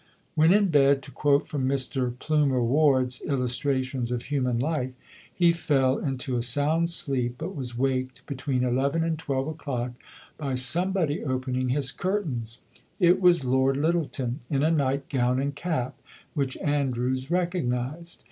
When in bed, to quote from Mr Plumer Ward's "Illustrations of Human Life," he fell into a sound sleep, but was waked between eleven and twelve o'clock by somebody opening his curtains. It was Lord Lyttelton, in a nightgown and cap which Andrews recognised.